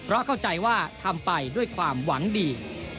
เพราะเข้าใจว่าทำไปด้วยความหวังดี